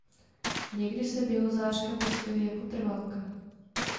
Někdy se bělozářka pěstuje jako trvalka.